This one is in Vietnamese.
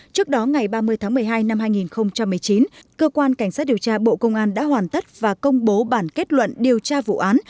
trước đó ngày ba mươi tháng một mươi hai năm hai nghìn một mươi chín cơ quan cảnh sát điều tra bộ công an đã hoàn tất và công bố bản kết luận điều tra vụ án